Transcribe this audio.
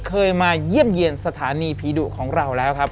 เคยมาเยี่ยมเยี่ยมสถานีผีดุของเราแล้วครับ